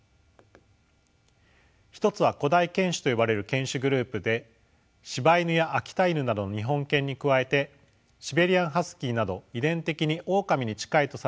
一つは古代犬種と呼ばれる犬種グループでしば犬や秋田犬などの日本犬に加えてシベリアンハスキーなど遺伝的にオオカミに近いとされる犬種です。